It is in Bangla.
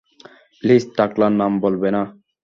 প্লিজ টাকলার নাম বলবে না।